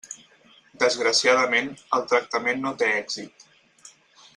Desgraciadament, el tractament no té èxit.